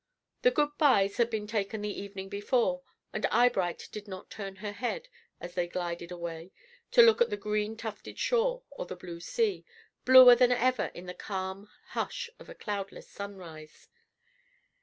The good byes had been taken the evening before, and Eyebright did not turn her head, as they glided away, to look at the green tufted shore or the blue sea, bluer than ever in the calm hush of a cloudless sunrise.